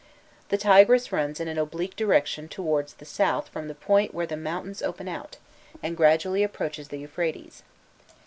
The Tigris runs in an oblique direction towards the south from the point where the mountains open out, and gradually approaches the Euphrates.